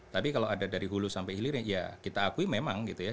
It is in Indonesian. tapi kalau ada dari hulu sampai hilir ya kita akui memang gitu ya